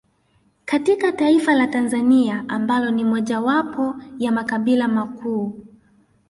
Katika taifa la Tanzania ambalo ni mojawapo ya makabila makuu